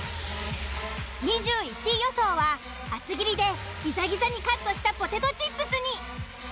２１位予想は厚切りでギザギザにカットしたポテトチップスに。